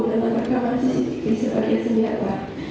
dan menergapkan cctv sebagai senjata